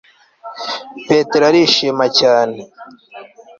petero arishima cyane